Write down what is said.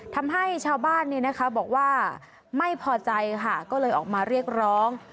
ทำให้ชาวบ้านบอกว่าไม่พอใจค่ะก็เลยออกมาเรียกร้อง